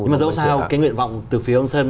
nhưng mà dẫu sao cái nguyện vọng từ phía ông sơn